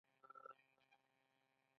دلته په پانګه باندې د پیسو د بدلېدو بحث دی